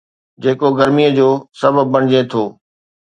جيڪو گرميءَ جو سبب بڻجي ٿو